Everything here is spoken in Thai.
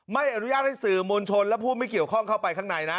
ไม่อนุญาตให้สื่อมวลชนและผู้ไม่เกี่ยวข้องเข้าไปข้างในนะ